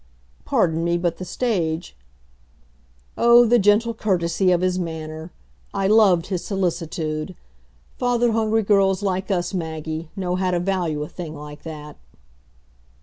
Pardon me, but the stage " Oh, the gentle courtesy of his manner! I loved his solicitude. Father hungry girls like us, Maggie, know how to value a thing like that.